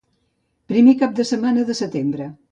Primer cap de setmana de setembre.